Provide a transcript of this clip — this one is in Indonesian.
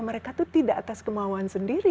mereka itu tidak atas kemauan sendiri